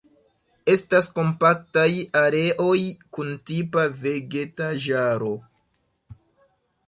Estas kompaktaj areoj kun tipa vegetaĵaro.